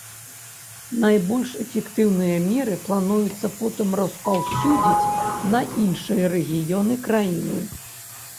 Найбольш эфектыўныя меры плануецца потым распаўсюдзіць на іншыя рэгіёны краіны.